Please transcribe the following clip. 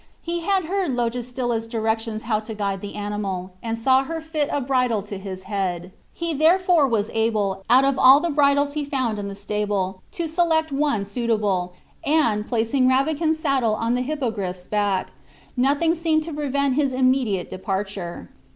He had heard Logestilla's directions how to guide the animal, and saw her fit a bridle to his head. He therefore was able, out of all the bridles he found in the stable, to select one suitable, and, placing Rabican's saddle on the Hippogriff's back, nothing seemed to prevent his immediate departure.